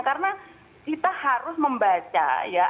karena kita harus membaca ya